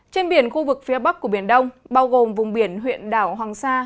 trên biển khu vực phía bắc của biển đông bao gồm vùng biển huyện đảo hoàng sa